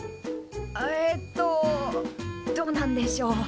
えっとどうなんでしょ。